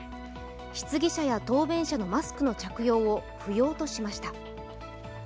質疑者や答弁者のマスクの着用を不要としました。